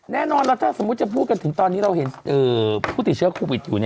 แน่นอนแล้วถ้าสมมุติจะพูดกันถึงตอนนี้เราเห็นผู้ติดเชื้อโควิดอยู่